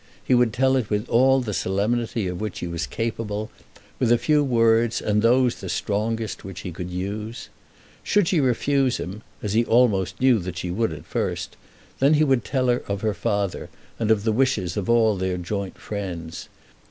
He would tell it with all the solemnity of which he was capable, with a few words, and those the strongest which he could use. Should she refuse him, as he almost knew that she would at first, then he would tell her of her father and of the wishes of all their joint friends.